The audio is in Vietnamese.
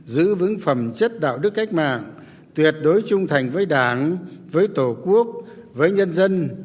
giữ vững phẩm chất đạo đức cách mạng tuyệt đối trung thành với đảng với tổ quốc với nhân dân